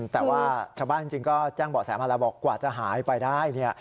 แต่ว่าชาวบ้านจริงก็แจ้งเบาะแสมาแล้วบอกกว่าจะหายไปได้เนี่ย